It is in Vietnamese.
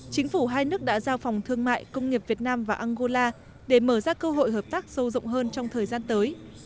chính phủ hai nước đã giao phòng thương mại công nghiệp việt nam và angola để mở ra cơ hội hợp tác sâu rộng hơn trong thời gian tới